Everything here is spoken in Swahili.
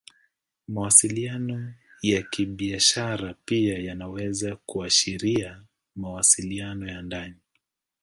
Mawasiliano ya Kibiashara pia yanaweza kuashiria mawasiliano ya ndani.